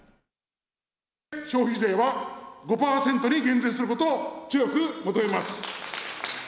消費税は５％に減税することを強く求めます。